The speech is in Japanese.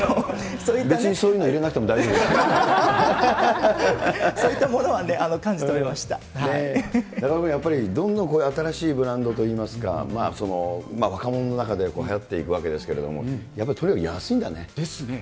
別にそういうの入れなくてもそういったものは感じ取りま中丸君、やっぱり、どんどん新しいブランドといいますか、若者の中ではやっていくわけですけれども、とにかく安いんだね。ですね。